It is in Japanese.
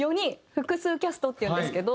複数キャストっていうんですけど。